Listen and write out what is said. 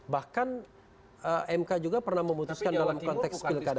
bahkan mk juga pernah memutuskan dalam konteks pilkada